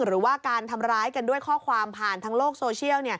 หรือว่าการทำร้ายกันด้วยข้อความผ่านทางโลกโซเชียล